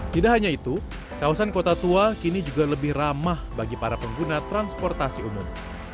tidak hanya itu kawasan kota tua kini juga lebih ramah bagi para pengguna transportasi umum